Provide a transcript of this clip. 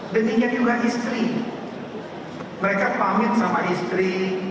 dan ini juga istri mereka pamit sama istri